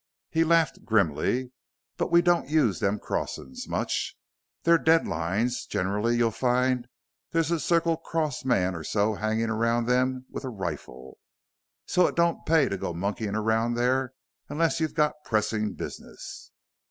'" He laughed grimly. "But we don't use them crossins' much they're dead lines; generally you'll find there's a Circle Cross man or so hangin' around them with a rifle. So it don't pay to go monkeyin' around there unless you've got pressin' business."